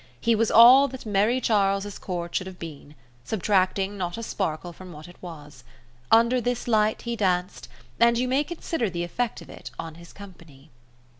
He was all that Merrie Charles's court should have been, subtracting not a sparkle from what it was. Under this light he danced, and you may consider the effect of it on his company.